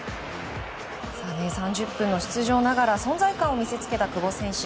３０分の出場ながら存在感を見せつけた久保選手。